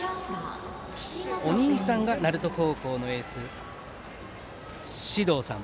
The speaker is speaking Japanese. お兄さんが鳴門高校のエースの至憧さん。